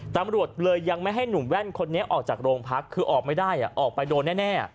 ตำรวจเลยยังไม่ให้หนุ่มแว่นคนนี้ออกจากโรงพักคือออกไม่ได้ออกไปโดนแน่